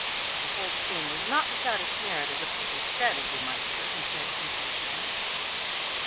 The whole scheme was not without its merit as a piece of strategy, my dear," he said complacently.